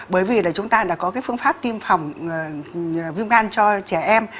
bởi vì là chúng ta đã có cái phương pháp tiêm phòng viêm gan cho trẻ em